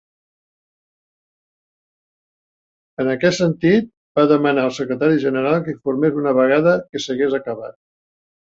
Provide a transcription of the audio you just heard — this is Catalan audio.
En aquest sentit, va demanar al Secretari General que informés una vegada que s'hagués acabat.